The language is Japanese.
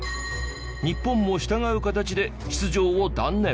日本も従う形で出場を断念。